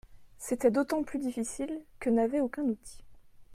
C'était d'autant plus difficile que n'avais aucun outil.